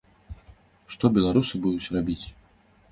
Што беларусы будуць рабіць?